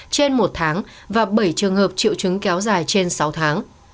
trên một tháng và bảy trường hợp triệu chứng kéo dài trên sáu tháng